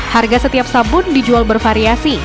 harga setiap sabun dijual bervariasi